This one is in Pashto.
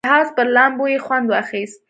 د حوض پر لامبو یې خوند واخیست.